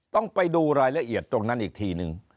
ต้องไปดูรายละเอียดตรงนั้นอีกทีนึง